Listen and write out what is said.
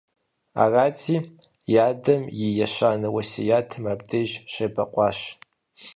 Арати, и адэм и ещанэ уэсятым абдеж щебэкъуащ.